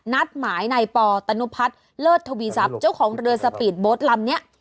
นัดหมายในปตนุพัฒน์เลิศทวีทรัพย์เจ้าของเรือสปีดโบสต์ลำนี้